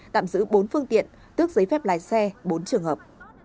tạm giữ bốn phương tiện tước giấy phép lái xe bốn trường hợp